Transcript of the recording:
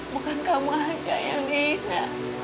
bukan kamu saja yang dihina